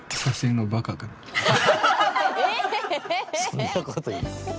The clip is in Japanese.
そんなこと言う！